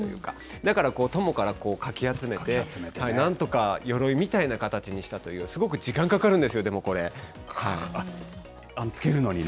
だからこう、友からこうかき集めて、なんとかよろいみたいな形にしたという、すごく時間かかるんですよ、でも、着けるのにね。